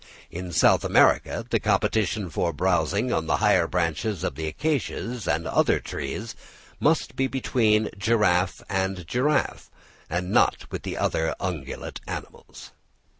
In South Africa the competition for browsing on the higher branches of the acacias and other trees must be between giraffe and giraffe, and not with the other ungulate animals.